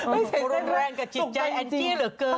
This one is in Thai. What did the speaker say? ไม่เสียแทร้งกับจิตใจแอ๊งจี้เหลือเกินสงใจจริง